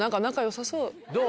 どう？